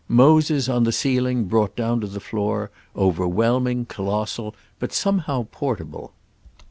Moses, on the ceiling, brought down to the floor; overwhelming, colossal, but somehow portable."